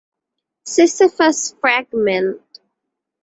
Sisyphus fragment